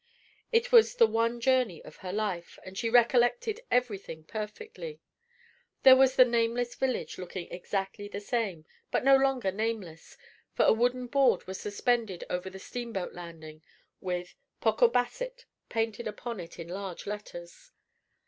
It was the one journey of her life, and she recollected every thing perfectly. There was the nameless village, looking exactly the same, but no longer nameless; for a wooden board was suspended over the steamboat landing, with "Pocobasset" painted upon it in large letters.